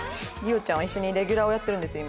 莉桜ちゃんは一緒にレギュラーをやってるんですよ